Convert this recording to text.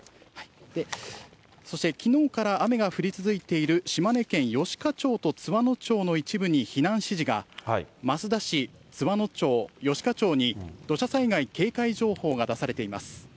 そして、きのうから雨が降り続いている島根県吉賀町と津和野町の一部に避難指示が、益田市、津和野町、吉賀町に土砂災害警戒情報が出されています。